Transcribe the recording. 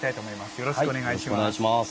よろしくお願いします。